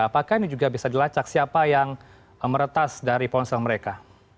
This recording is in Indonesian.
apakah ini juga bisa dilacak siapa yang meretas dari ponsel mereka